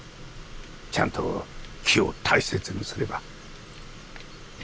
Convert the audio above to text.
ちゃんと木を大切にすれば。